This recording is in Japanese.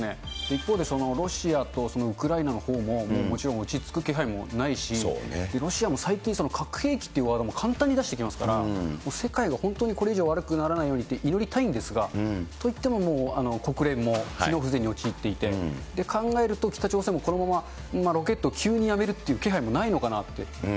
一方で、ロシアとウクライナのほうももちろん落ち着く気配もないし、ロシアも最近、核兵器ってワードも簡単に出してきますから、世界が本当にこれ以上悪くならないようにって、祈りたいんですが、といっても、もう国連も機能不全に陥っていて、考えると北朝鮮もこのまま、ロケットを急にやめるっていう気配もないのかなって。